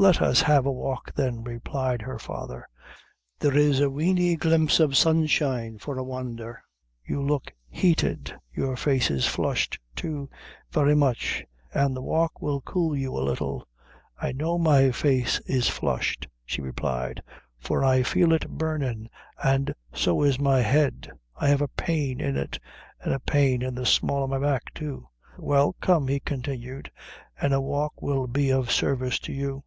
"Let us have a walk, then," replied her father. "There is a weeny glimpse of sunshine, for a wondher. You look heated your face is flushed too, very much, an' the walk will cool you a little." "I know my face is flushed," she replied; "for I feel it burnin', an' so is my head; I have a pain in it, and a pain in the small o' my back too." "Well, come," he continued, "and a walk will be of sarvice to you."